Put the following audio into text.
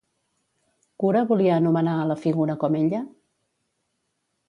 Cura volia anomenar a la figura com ella?